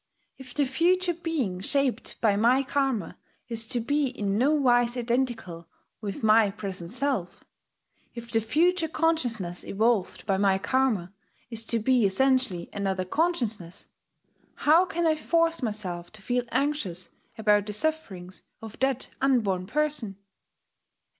If the future being shaped by my Karma is to be in nowise identical with my present self, if the future consciousness evolved by my Karma is to be essentially another consciousness, how can I force myself to feel anxious about the sufferings of that unborn person?